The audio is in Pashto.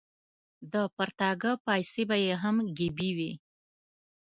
د پرتاګه پایڅې به یې هم ګیبي وې.